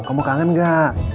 kamu kangen nggak